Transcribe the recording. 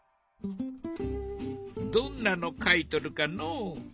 どんなの描いとるかのう。